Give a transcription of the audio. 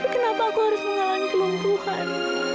kenapa aku harus mengalami kelumpuhan